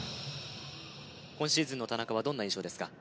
今シーズンの田中はどんな印象ですか？